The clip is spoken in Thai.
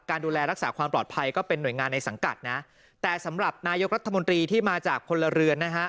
ดูแลรักษาความปลอดภัยก็เป็นหน่วยงานในสังกัดนะแต่สำหรับนายกรัฐมนตรีที่มาจากพลเรือนนะฮะ